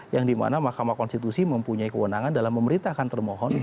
yang dimana mahkamah konstitusi mempunyai kewenangan dalam memerintahkan termohon